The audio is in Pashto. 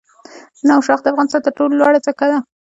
نوشاخ د افغانستان تر ټولو لوړه څوکه ده.